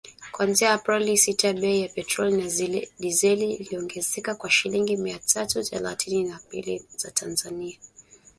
kuanzia Aprili sita bei ya petroli na dizeli iliongezeka kwa shilingi mia tatu thelathini na mbili za Tanzania